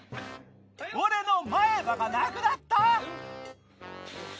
俺の前歯がなくなった！